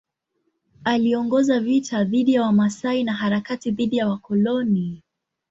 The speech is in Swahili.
Aliongoza vita dhidi ya Wamasai na harakati dhidi ya wakoloni.